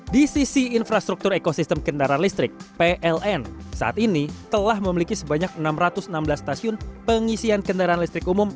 di sisi infrastruktur ekosistem kendaraan listrik pln saat ini telah memiliki sebanyak enam ratus enam belas stasiun pengisian kendaraan listrik umum